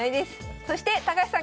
そして高橋さん